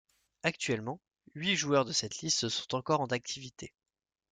Actuellement, huit joueurs de cette liste sont encore en activité.